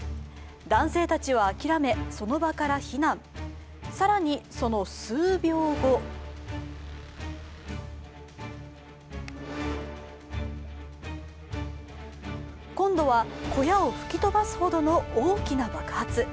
男性たちは諦めその場から避難、更にその数秒後今度は、小屋を吹き飛ばすほどの大きな爆発。